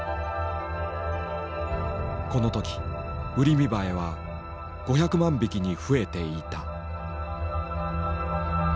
この時ウリミバエは５００万匹に増えていた。